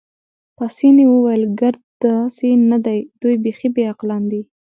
پاسیني وویل: ګرد داسې نه دي، دوی بیخي بې عقلان دي.